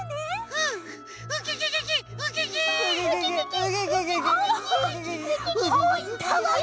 はい。